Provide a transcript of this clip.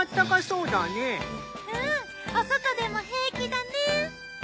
うんお外でも平気だね。